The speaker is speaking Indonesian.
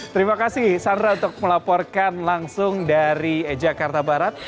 terima kasih sandra untuk melaporkan langsung dari jakarta barat